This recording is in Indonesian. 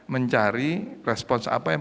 mencari respons apa yang